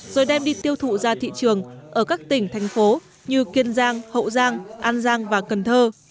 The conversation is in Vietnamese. rồi đem đi tiêu thụ ra thị trường ở các tỉnh thành phố như kiên giang hậu giang an giang và cần thơ